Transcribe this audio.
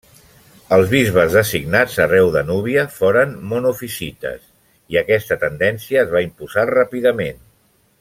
Els bisbes designats arreu de Núbia foren monofisites, i aquesta tendència es va imposar ràpidament.